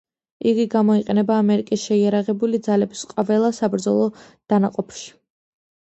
იგი გამოიყენება ამერიკის შეიარაღებული ძალების ყველა საბრძოლო დანაყოფში.